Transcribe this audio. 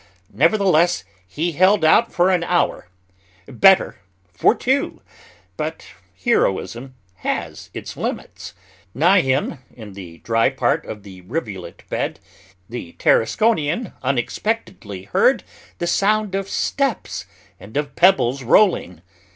Nevertheless, he held out for an hour; better, for two; but heroism has its limits. Nigh him, in the dry part of the rivulet bed, the Tarasconian unexpectedly heard the sound of steps and of pebbles rolling.